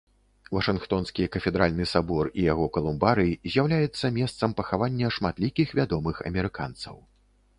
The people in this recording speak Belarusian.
Вашынгтонскі кафедральны сабор і яго калумбарый з'яўляецца месцам пахавання шматлікіх вядомых амерыканцаў.